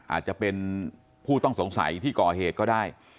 อาจจะเป็นผู้ต้องสงสัยที่ก่อเหตุก็ได้